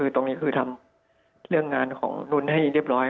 ตรงนี้คือทำเรื่องงานของนุ่นให้เรียบร้อย